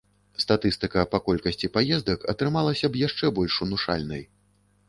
Статыстыка па колькасці паездак атрымалася б яшчэ больш унушальнай.